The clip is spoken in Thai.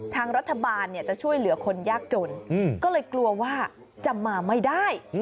ทางรัฐบาลจะช่วยเหลือคนยากจนก็เลยกลัวว่าจะมาไม่ได้